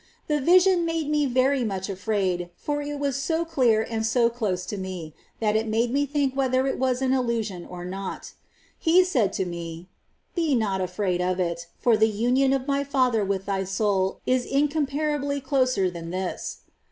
^ The vision made me very much afraid, for it was so clear, and so close to me, that it made me think whether it was an illusion or not. He said to me, " Be not afraid of it, for the union of My Father with thy soul is incomparably closer than this."